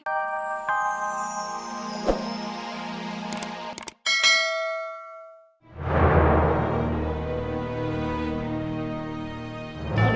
aduh gagal banget